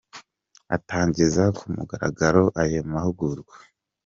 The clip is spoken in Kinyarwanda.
Atangiza ku mugaragaro ayo mahugurwa, Dr.